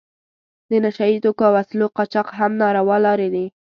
د نشه یي توکو او وسلو قاچاق هم ناروا لارې دي.